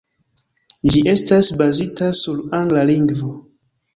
Ĝi estas bazita sur angla lingvo.